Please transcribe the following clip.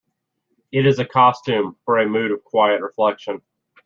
It is a costume for a mood of quiet reflection.